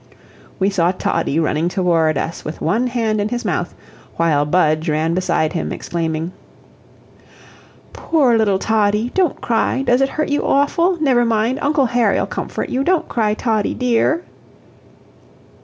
We saw Toddie running towards us with one hand in his mouth, while Budge ran beside him, exclaiming: "POOR little Toddie! Don't cry! DOES it hurt you awful? Never mind Uncle Harry'll comfort you. Don't cry, Toddie DE ar!"